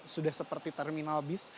sudah seperti terminal bis